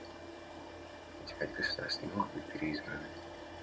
Эти пять государств не могут быть переизбраны.